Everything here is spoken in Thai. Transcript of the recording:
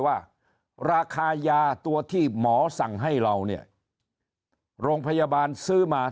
ว่าราคายาตัวที่หมอสั่งให้เราเนี่ยโรงพยาบาลซื้อมา